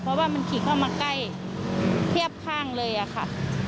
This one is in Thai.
เพราะว่ามันขี่เข้ามาใกล้เพียบข้างเลยอะค่ะ